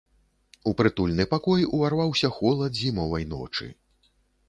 У прытульны пакой уварваўся холад зімовай ночы.